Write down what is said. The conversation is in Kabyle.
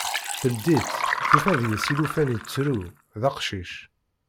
Teldi-tt, tufa deg-s llufan ittru, d aqcic.